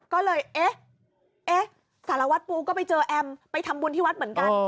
ก็เลยเอ๊ะสารวัตรปูก็ไปเจอแอมไปทำบุญที่วัดเหมือนกัน